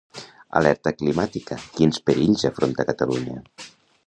Alerta climàtica: quins perills afronta Catalunya.